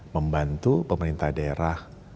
membantu pemerintah daerah